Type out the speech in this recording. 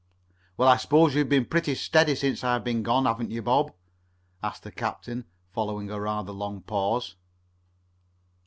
"Well, I s'pose you've been pretty steady since I've been gone, haven't you, Bob?" asked the captain, following a rather long pause.